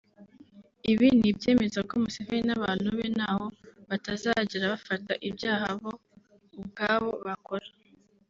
Ibi ni ibyemeza ko Museveni n’abantu be ntaho batazagera bafata ibyaha bo ubwabo bakora